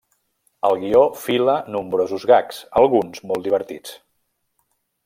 El guió fila nombrosos gags, alguns molt divertits.